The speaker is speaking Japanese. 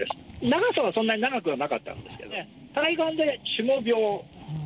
長さは、そんなに長くはなかったんですけど、体感で４、５秒。